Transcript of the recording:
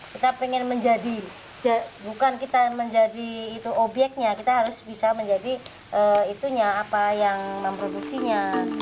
kita ingin menjadi bukan kita menjadi itu obyeknya kita harus bisa menjadi itunya apa yang memproduksinya